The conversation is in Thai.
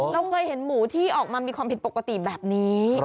เราเคยเห็นหมูที่ออกมามีความผิดปกติแบบนี้